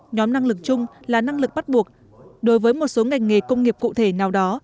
nhóm năng lực chung là năng lực bắt buộc đối với một số ngành nghề công nghiệp cụ thể nào đó